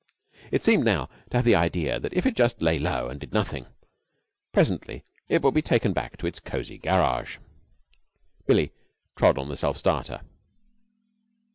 It seemed now to have the idea that if it just lay low and did nothing, presently it would be taken back to its cosy garage. Billie trod on the self starter.